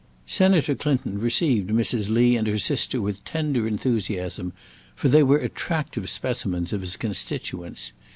Senator Clinton received Mrs. Lee and her sister with tender enthusiasm, for they were attractive specimens of his constituents.